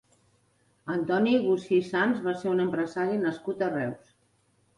Antoni Gusí Sans va ser un empresari nascut a Reus.